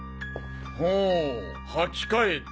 ほぉはき替えた。